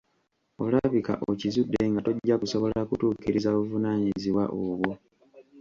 Olabika okizudde nga tojja kusobola kutuukiriza buvunaanyizibwa obwo.